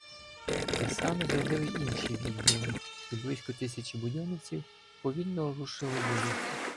Те саме зробили й інші відділи, і близько тисячі будьонівців повільно рушили до лісу.